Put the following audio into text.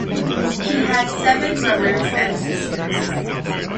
He had seven brothers and sisters.